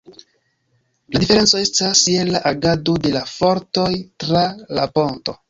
La diferenco estas je la agado de la fortoj tra la ponto.